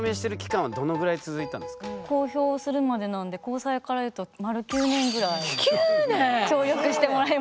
公表するまでなんで交際から言うと丸９年ぐらい協力してもらいました。